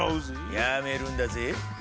やめるんだぜぇ。